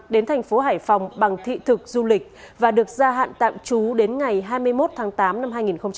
đến thành phố hải phòng bằng thị thực du lịch và được gia hạn tạm trú đến ngày hai mươi một tháng tám năm hai nghìn hai mươi